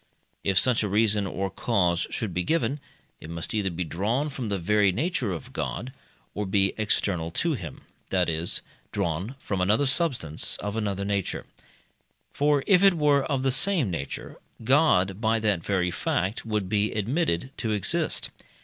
If such a reason or cause should be given, it must either be drawn from the very nature of God, or be external to him that is, drawn from another substance of another nature. For if it were of the same nature, God, by that very fact, would be admitted to exist.